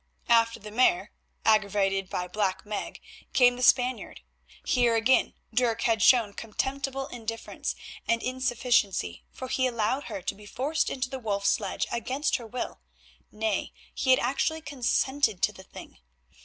After the Mare—aggravated by Black Meg—came the Spaniard. Here again Dirk had shown contemptible indifference and insufficiency, for he allowed her to be forced into the Wolf sledge against her will. Nay, he had actually consented to the thing.